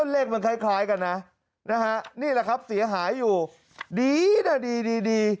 เลขมันคล้ายกันนะนะฮะนี่แหละครับเสียหายอยู่ดีนะดีดี